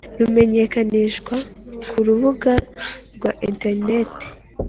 rumenyekanisha ku rubuga rwa interineti